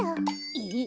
えっ。